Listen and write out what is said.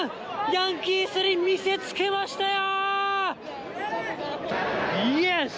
ヤンキースに見せつけましたよ。